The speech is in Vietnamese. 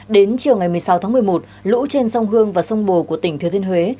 đến chiều ngày một mươi sáu tháng một mươi một lũ trên sông hương và sông bồ của tỉnh thừa thiên huế